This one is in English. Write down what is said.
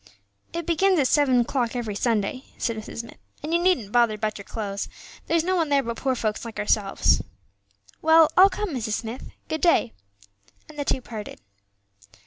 "It begins at seven o'clock every Sunday," said Mrs. Smith; "and you needn't bother about your clothes, there's no one there but poor folks like ourselves." "Well, I'll come, Mrs. Smith. Good day." And the two parted.